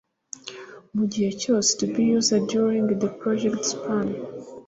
mu gihe cyose to be used during the project span